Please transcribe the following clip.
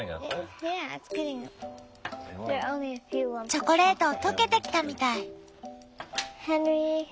チョコレート溶けてきたみたい。